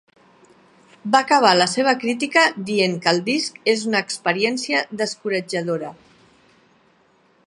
Va acabar la seva crítica dient que el disc és una experiència descoratjadora.